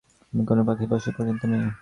তাই নয়, কোনো গাছে পাখি বসে পর্যন্ত নেই।